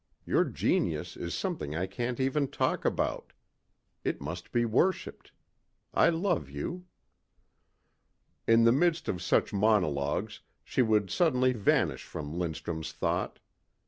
Your genius is something I can't even talk about. It must be worshipped. I love you." In the midst of such monologues she would suddenly vanish from Lindstrum's thought.